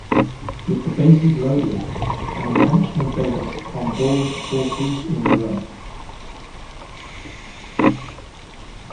With the bases loaded, an intentional base on balls forces in a run.